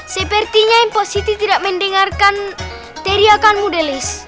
sepertinya mpok siti tidak mendengarkan teriakanmu delis